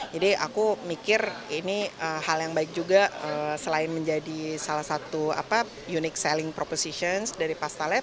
jadi aku mikir ini hal yang baik juga selain menjadi salah satu unique selling proposition dari pasta lab